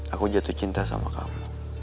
aku jatuh cinta sama kamu